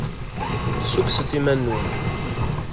Ssukkset iman-nwen.